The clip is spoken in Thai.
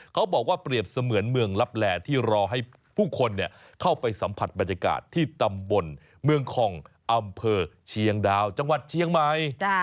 เขาบอกว่าเปรียบเสมือนเมืองลับแหล่ที่รอให้ผู้คนเข้าไปสัมผัสบรรยากาศที่ตำบลเมืองคองอำเภอเชียงดาวจังหวัดเชียงใหม่